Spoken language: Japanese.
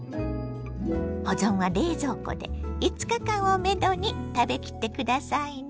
保存は冷蔵庫で５日間をめどに食べきってくださいね。